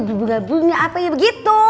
berbunga bunga apanya begitu